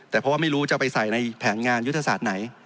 แต่เพราะว่าไม่รู้จะไปใส่ในแผนงานยุทธศาสตร์ไหน